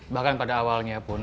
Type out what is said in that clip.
bahkan pada awalnya pun